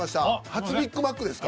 初ビッグマックですか。